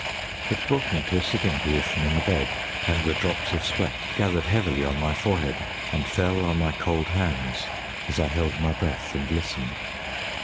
It brought me to a sitting position in the bed, and the drops of sweat gathered heavily on my forehead and fell on my cold hands as I held my breath and listened.